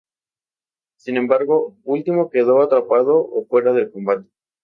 Sin embargo, Ultimo quedó atrapado o fuera de combate.